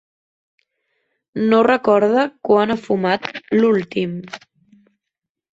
No recorda quan ha fumat l'últim.